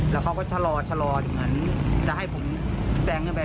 แล้วเขาก็ชะลออย่างเหมือนจะให้ผมแซงกันไป